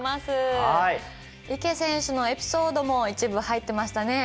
池選手のエピソードも一部入ってましたね？